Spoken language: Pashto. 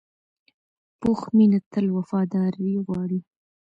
پوخ مینه تل وفاداري غواړي